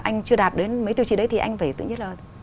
anh chưa đạt đến mấy tiêu chí đấy thì anh phải tự nhất là